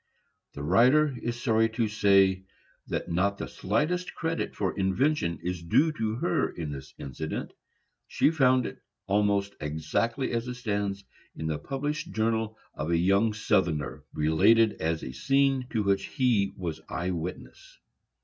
The writer is sorry to say that not the slightest credit for invention is due to her in this incident. She found it, almost exactly as it stands, in the published journal of a young Southerner, related as a scene to which he was eye witness.